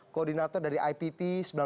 koordinator dari ipt